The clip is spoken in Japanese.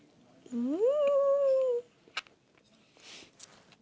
うん！